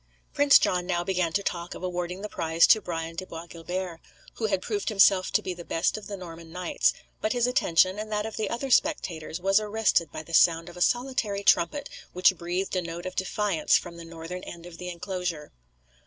Prince John now began to talk of awarding the prize to Brian de Bois Guilbert, who had proved himself to be the best of the Norman knights; but his attention, and that of the other spectators, was arrested by the sound of a solitary trumpet, which breathed a note of defiance from the northern end of the enclosure.